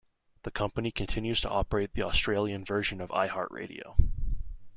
The company continues to operate the Australian version of iHeartRadio.